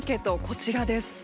こちらです。